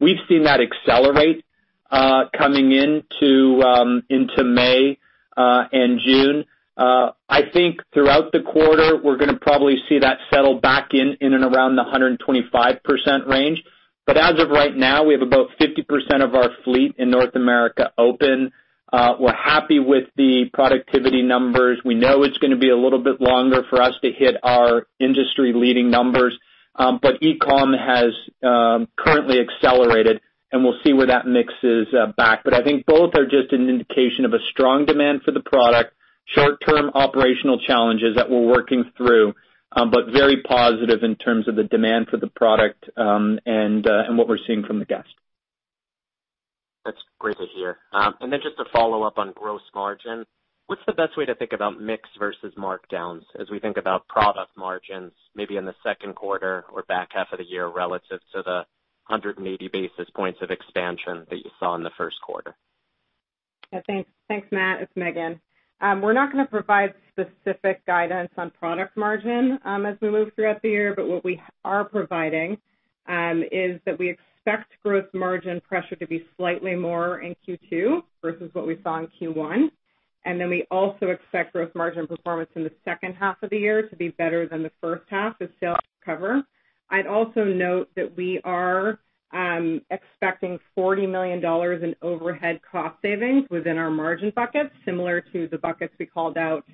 We've seen that accelerate coming into May and June. I think throughout the quarter, we're going to probably see that settle back in and around the 125% range. As of right now, we have about 50% of our fleet in North America open. We're happy with the productivity numbers. We know it's going to be a little bit longer for us to hit our industry-leading numbers. E-com has currently accelerated, and we'll see where that mix is back. I think both are just an indication of a strong demand for the product, short-term operational challenges that we're working through, but very positive in terms of the demand for the product and what we're seeing from the guest. That's great to hear. Just to follow up on gross margin, what's the best way to think about mix versus markdowns as we think about product margins, maybe in the second quarter or back half of the year relative to the 180 basis points of expansion that you saw in the first quarter? Thanks, Matt. It's Meghan. We're not going to provide specific guidance on product margin as we move throughout the year, but what we are providing is that we expect gross margin pressure to be slightly more in Q2 versus what we saw in Q1. We also expect gross margin performance in the second half of the year to be better than the first half as sales recover. I'd also note that we are expecting $40 million in overhead cost savings within our margin buckets, similar to the buckets we called out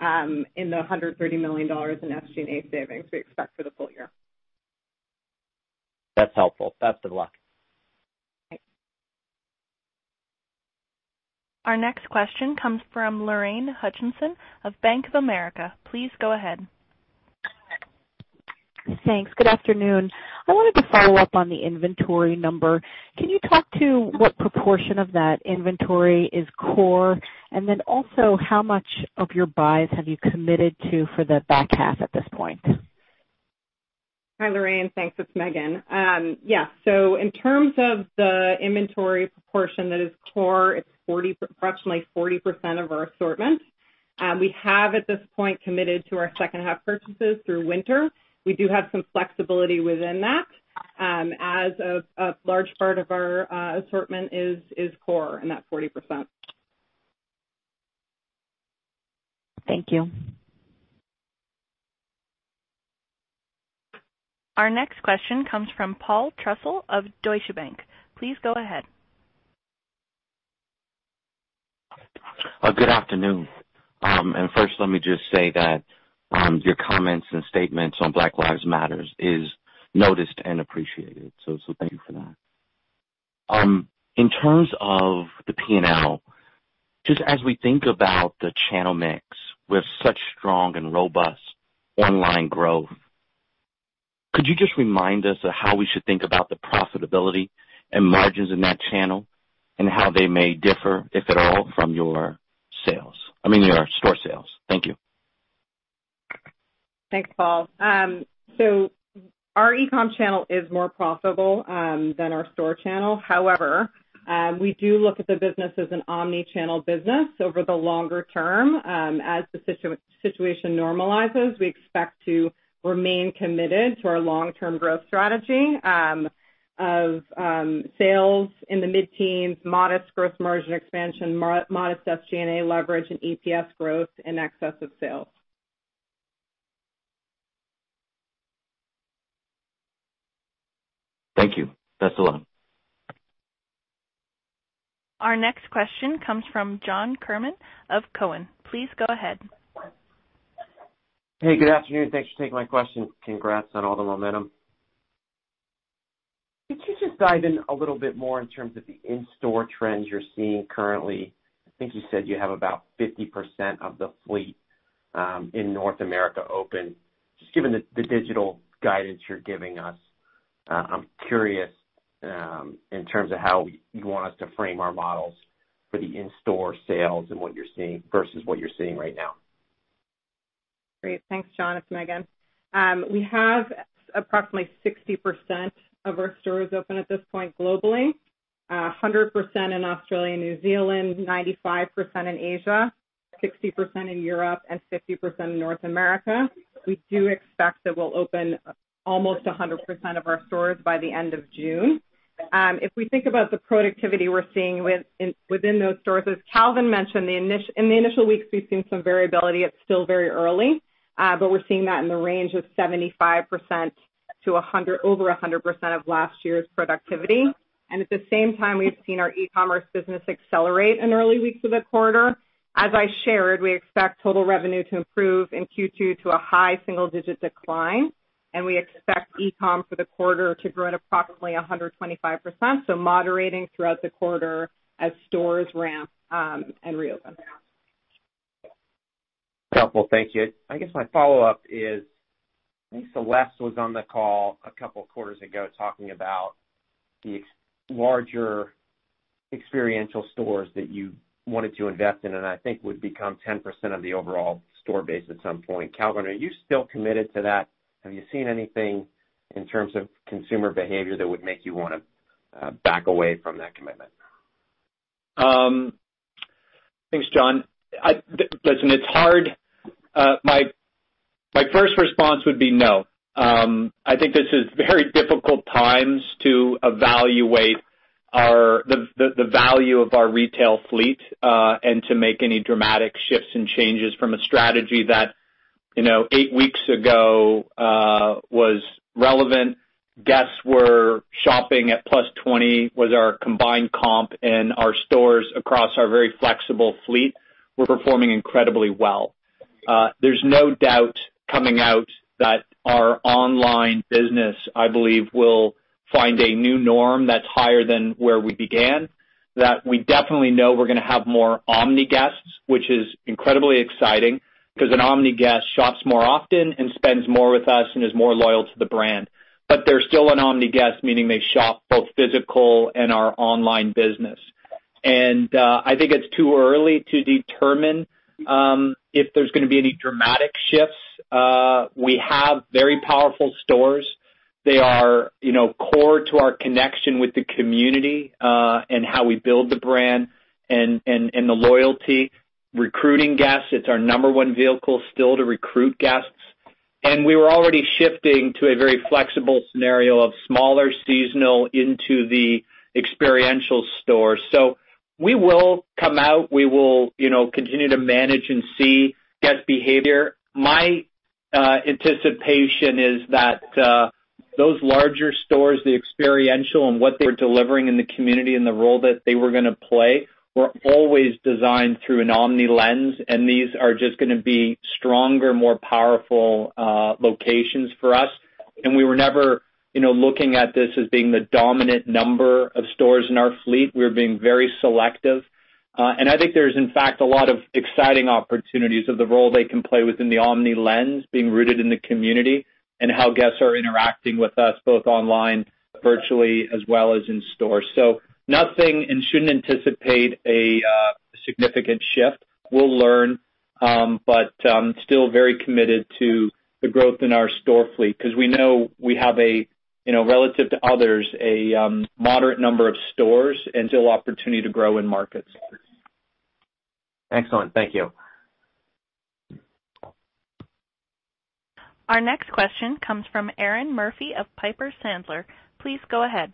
in the $130 million in SG&A savings we expect for the full year. That's helpful. Best of luck. Thanks. Our next question comes from Lorraine Hutchinson of Bank of America. Please go ahead. Thanks. Good afternoon. I wanted to follow up on the inventory number. Can you talk to what proportion of that inventory is core? Also, how much of your buys have you committed to for the back half at this point? Hi, Lorraine. Thanks. It's Meghan. Yeah. In terms of the inventory proportion that is core, it's approximately 40% of our assortment. We have, at this point, committed to our second half purchases through winter. We do have some flexibility within that. A large part of our assortment is core in that 40%. Thank you. Our next question comes from Paul Trussell of Deutsche Bank. Please go ahead. Good afternoon. First, let me just say that your comments and statements on Black Lives Matter is noticed and appreciated. Thank you for that. In terms of the P&L, just as we think about the channel mix with such strong and robust online growth, could you just remind us of how we should think about the profitability and margins in that channel, and how they may differ, if at all, from your store sales? Thank you. Thanks, Paul. Our e-com channel is more profitable than our store channel. However, we do look at the business as an omni-channel business over the longer term. As the situation normalizes, we expect to remain committed to our long-term growth strategy of sales in the mid-teens, modest gross margin expansion, modest SG&A leverage, and EPS growth in excess of sales. Thank you. That's all. Our next question comes from John Kernan of Cowen. Please go ahead. Hey, good afternoon. Thanks for taking my question. Congrats on all the momentum. Could you just dive in a little bit more in terms of the in-store trends you're seeing currently? I think you said you have about 50% of the fleet in North America open. Just given the digital guidance you're giving us, I'm curious in terms of how you want us to frame our models for the in-store sales and what you're seeing versus what you're seeing right now. Great. Thanks, John. It's Meghan. We have approximately 60% of our stores open at this point globally, 100% in Australia and New Zealand, 95% in Asia, 60% in Europe, and 50% in North America. We do expect that we'll open almost 100% of our stores by the end of June. If we think about the productivity we're seeing within those stores, as Calvin mentioned, in the initial weeks, we've seen some variability. It's still very early, but we're seeing that in the range of 75%-100% of last year's productivity. At the same time, we've seen our e-commerce business accelerate in early weeks of the quarter. As I shared, we expect total revenue to improve in Q2 to a high single-digit decline, and we expect e-com for the quarter to grow at approximately 125%, so moderating throughout the quarter as stores ramp and reopen. Helpful. Thank you. I guess my follow-up is, I think Celeste was on the call a couple of quarters ago talking about the larger experiential stores that you wanted to invest in and I think would become 10% of the overall store base at some point. Calvin, are you still committed to that? Have you seen anything in terms of consumer behavior that would make you wanna back away from that commitment? Thanks, John. Listen, it's hard. My first response would be no. I think this is very difficult times to evaluate the value of our retail fleet, to make any dramatic shifts and changes from a strategy that eight weeks ago, was relevant. Guests were shopping at +20%, was our combined comp, and our stores across our very flexible fleet were performing incredibly well. There's no doubt coming out that our online business, I believe, will find a new norm that's higher than where we began, that we definitely know we're gonna have more omni guests, which is incredibly exciting, because an omni guest shops more often and spends more with us and is more loyal to the brand. They're still an omni guest, meaning they shop both physical and our online business. I think it's too early to determine if there's gonna be any dramatic shifts. We have very powerful stores. They are core to our connection with the community, and how we build the brand and the loyalty. Recruiting guests, it's our number one vehicle still to recruit guests. We were already shifting to a very flexible scenario of smaller seasonal into the experiential stores. We will come out, we will continue to manage and see guest behavior. My anticipation is that those larger stores, the experiential and what they were delivering in the community and the role that they were gonna play, were always designed through an omni lens, and these are just gonna be stronger, more powerful locations for us. We were never looking at this as being the dominant number of stores in our fleet, we are being very selective. I think there is, in fact, a lot of exciting opportunities of the role they can play within the omni lens, being rooted in the community, and how guests are interacting with us, both online, virtually, as well as in store. Nothing, and shouldn't anticipate a significant shift. We'll learn. Still very committed to the growth in our store fleet, because we know we have, relative to others, a moderate number of stores and still opportunity to grow in markets. Excellent. Thank you. Our next question comes from Erinn Murphy of Piper Sandler. Please go ahead.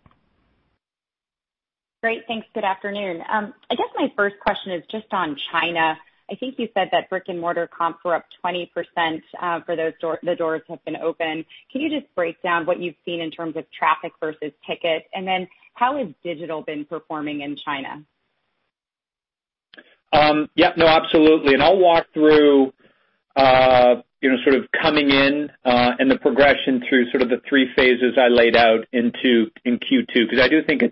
Great. Thanks. Good afternoon. I guess my first question is just on China. I think you said that brick-and-mortar comps were up 20% for the doors have been open. Can you just break down what you've seen in terms of traffic versus ticket? How has digital been performing in China? Yes. No, absolutely. I'll walk through sort of coming in and the progression through sort of the 3 phases I laid out in Q2, because I do think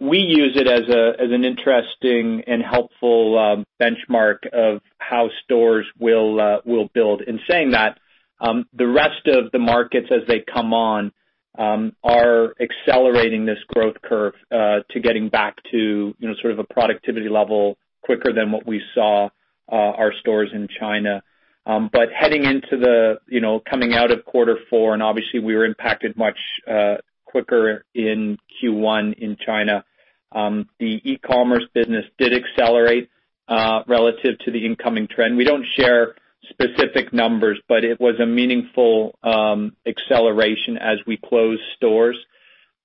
we use it as an interesting and helpful benchmark of how stores will build. In saying that, the rest of the markets as they come on are accelerating this growth curve to getting back to sort of a productivity level quicker than what we saw our stores in China. Heading into the coming out of quarter four, and obviously, we were impacted much quicker in Q1 in China. The e-commerce business did accelerate relative to the incoming trend. We don't share specific numbers, but it was a meaningful acceleration as we closed stores.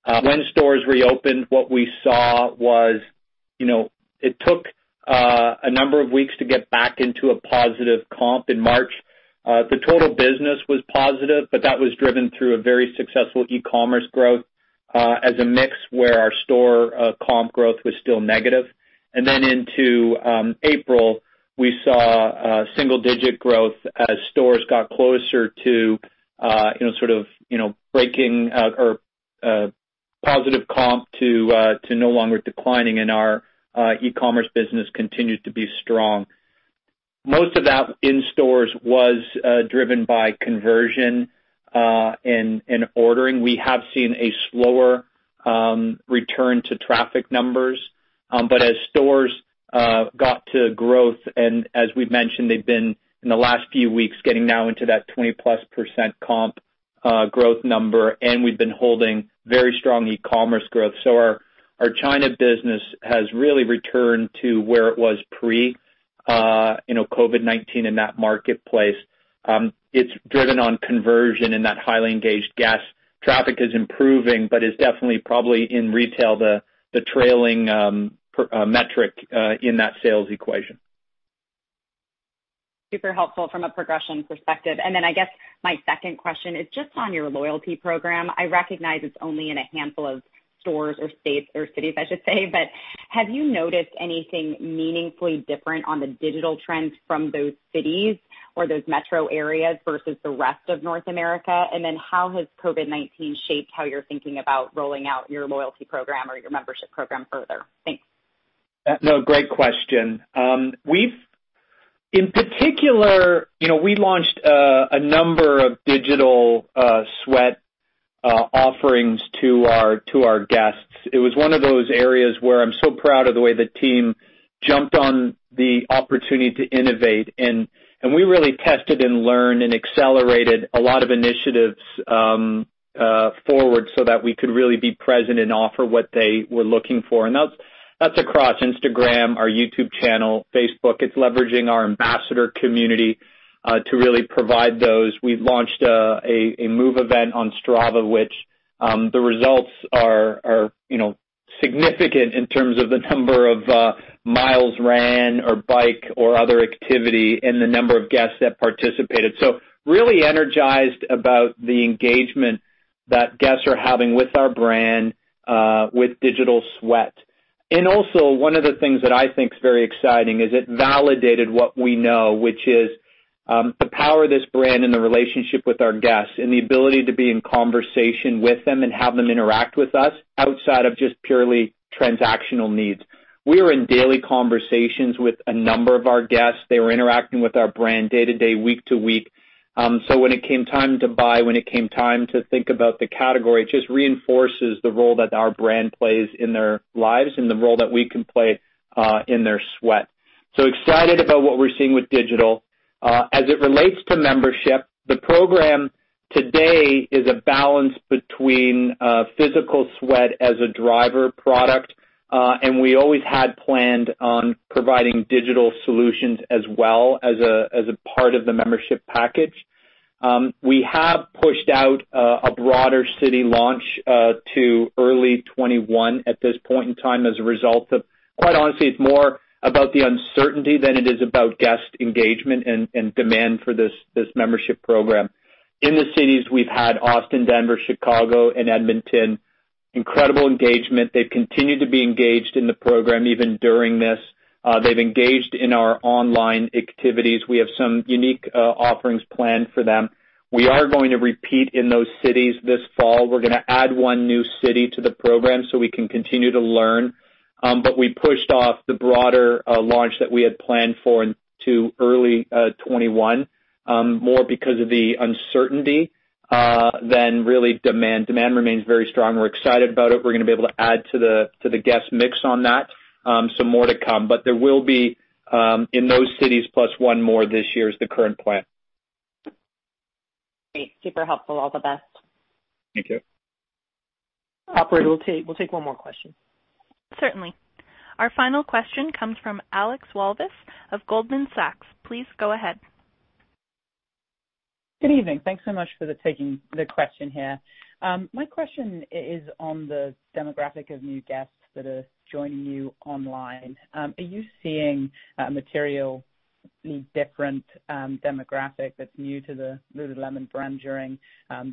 When stores reopened, what we saw was it took a number of weeks to get back into a positive comp in March. The total business was positive, but that was driven through a very successful e-commerce growth as a mix where our store comp growth was still negative. Into April, we saw single-digit growth as stores got closer to sort of breaking or positive comp to no longer declining and our e-commerce business continued to be strong. Most of that in stores was driven by conversion and ordering. We have seen a slower return to traffic numbers. As stores got to growth and as we've mentioned, they've been, in the last few weeks, getting now into that 20+% comp growth number, and we've been holding very strong e-commerce growth. Our China business has really returned to where it was pre-COVID-19 in that marketplace. It's driven on conversion and that highly engaged guest. Traffic is improving, but is definitely probably in retail, the trailing metric in that sales equation. Super helpful from a progression perspective. I guess my second question is just on your loyalty program. I recognize it's only in a handful of stores or states or cities, I should say, but have you noticed anything meaningfully different on the digital trends from those cities or those metro areas versus the rest of North America? How has COVID-19 shaped how you're thinking about rolling out your loyalty program or your membership program further? Thanks. No, great question. In particular, we launched a number of digital sweat offerings to our guests. It was one of those areas where I'm so proud of the way the team jumped on the opportunity to innovate. We really tested and learned and accelerated a lot of initiatives forward so that we could really be present and offer what they were looking for. That's across Instagram, our YouTube channel, Facebook. It's leveraging our ambassador community to really provide those. We've launched a move event on Strava, which the results are significant in terms of the number of miles ran or bike or other activity and the number of guests that participated. Really energized about the engagement that guests are having with our brand with digital sweat. Also, one of the things that I think is very exciting is it validated what we know, which is the power of this brand and the relationship with our guests and the ability to be in conversation with them and have them interact with us outside of just purely transactional needs. We were in daily conversations with a number of our guests. They were interacting with our brand day to day, week to week. When it came time to buy, when it came time to think about the category, it just reinforces the role that our brand plays in their lives and the role that we can play in their sweat. Excited about what we're seeing with digital. As it relates to membership, the program today is a balance between physical sweat as a driver product, and we always had planned on providing digital solutions as well as a part of the membership package. We have pushed out a broader city launch to early 2021 at this point in time as a result of, quite honestly, it's more about the uncertainty than it is about guest engagement and demand for this membership program. In the cities we've had Austin, Denver, Chicago and Edmonton. Incredible engagement. They've continued to be engaged in the program even during this. They've engaged in our online activities. We have some unique offerings planned for them. We are going to repeat in those cities this fall. We're going to add one new city to the program so we can continue to learn. We pushed off the broader launch that we had planned for into early 2021, more because of the uncertainty than really demand. Demand remains very strong. We're excited about it. We're going to be able to add to the guest mix on that. Some more to come. There will be in those cities plus one more this year is the current plan. Great. Super helpful. All the best. Thank you. Operator, we'll take one more question. Certainly. Our final question comes from Alex Walvis of Goldman Sachs. Please go ahead. Good evening. Thanks so much for taking the question here. My question is on the demographic of new guests that are joining you online. Are you seeing a materially different demographic that's new to the lululemon brand during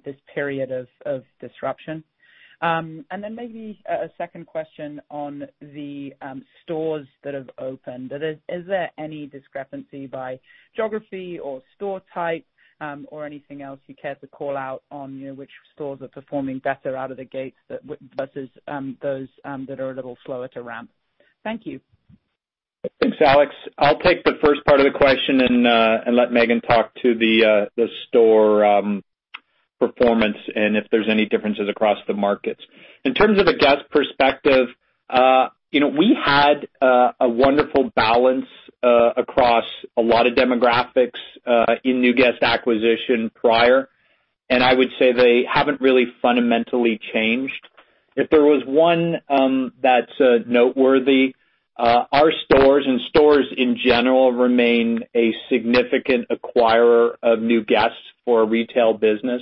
this period of disruption? Maybe a second question on the stores that have opened. Is there any discrepancy by geography or store type, or anything else you care to call out on which stores are performing better out of the gates versus those that are a little slower to ramp? Thank you. Thanks, Alex. I'll take the first part of the question and let Meghan talk to the store performance and if there's any differences across the markets. In terms of a guest perspective, we had a wonderful balance across a lot of demographics in new guest acquisition prior, and I would say they haven't really fundamentally changed. If there was one that's noteworthy, our stores and stores in general remain a significant acquirer of new guests for a retail business.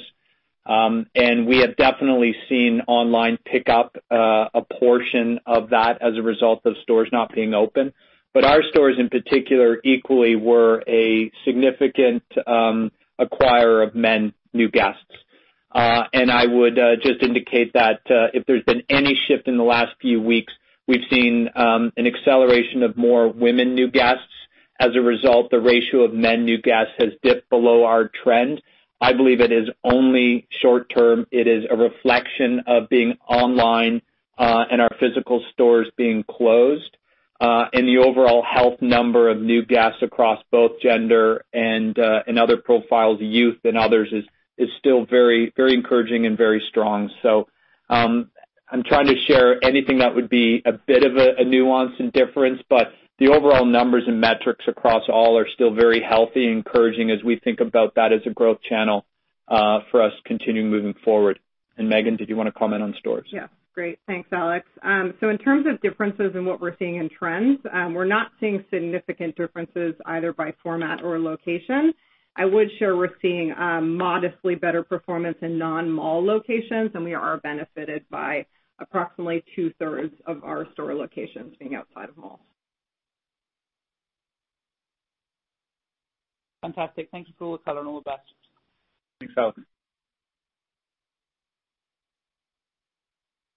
We have definitely seen online pick up a portion of that as a result of stores not being open. Our stores in particular equally were a significant acquirer of men new guests. I would just indicate that if there's been any shift in the last few weeks, we've seen an acceleration of more women new guests. As a result, the ratio of men new guests has dipped below our trend. I believe it is only short term. It is a reflection of being online and our physical stores being closed. The overall health number of new guests across both gender and other profiles, youth and others, is still very encouraging and very strong. I'm trying to share anything that would be a bit of a nuance and difference, but the overall numbers and metrics across all are still very healthy and encouraging as we think about that as a growth channel for us continuing moving forward. Meghan, did you want to comment on stores? Yes. Great. Thanks, Alex. In terms of differences in what we're seeing in trends, we're not seeing significant differences either by format or location. I would share we're seeing modestly better performance in non-mall locations, and we are benefited by approximately 2/3 of our store locations being outside of malls. Fantastic. Thank you for all the color, and all the best. Thanks, Alex.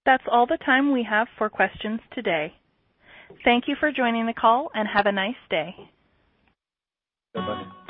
That's all the time we have for questions today. Thank you for joining the call, and have a nice day. Bye-bye.